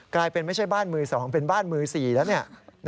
กลายเป็นไม่ใช่บ้านมือ๒เป็นบ้านมือ๔แล้วเนี่ย